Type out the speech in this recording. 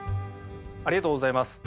ありがとうございます。